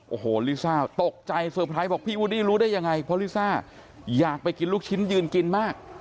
โอ้โหลิซ่าตกใจเซอร์ไพรส์บอกพี่วูดดี้รู้ได้ยังไงเพราะลิซ่าอยากไปกินลูกชิ้นยืนกินมาก